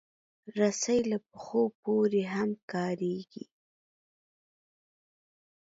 رسۍ له پښو پورې هم کارېږي.